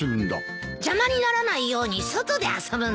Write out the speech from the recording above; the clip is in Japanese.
邪魔にならないように外で遊ぶんだ。